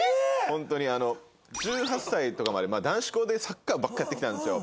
本当にあの１８歳とかまで男子校でサッカーばっかりやってきたんですよ。